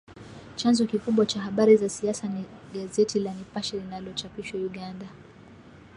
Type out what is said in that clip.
Chanzo kikubwa cha habari za siasa ni gazeti la Nipashe linalochapishwa Uganda.